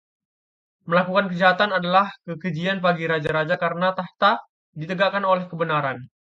Melakukan kejahatan adalah kekejian bagi raja-raja karena takhta ditegakkan oleh kebenaran.